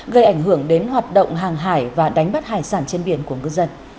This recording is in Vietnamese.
gây ảnh hưởng đến hoạt động hàng hải và đánh bắt hải sản trên biển của ngư dân